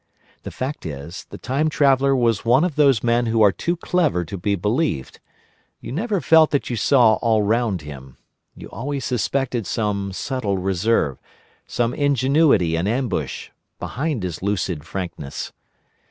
The fact is, the Time Traveller was one of those men who are too clever to be believed: you never felt that you saw all round him; you always suspected some subtle reserve, some ingenuity in ambush, behind his lucid frankness.